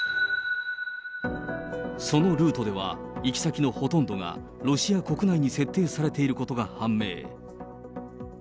そのルートでは、行き先のほとんどが、ロシア国内に設定されていることが判明。